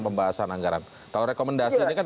pembahasan anggaran kalau rekomendasi ini kan